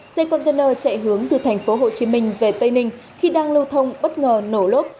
xe container chạy hướng từ thành phố hồ chí minh về tây ninh khi đang lưu thông bất ngờ nổ lốt